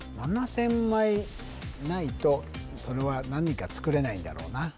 ７０００枚ないとそれは何か作れないんだろうな